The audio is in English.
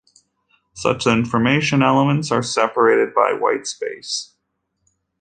Such information elements are separated by white space.